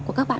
của các bạn